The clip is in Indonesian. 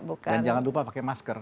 dan jangan lupa pakai masker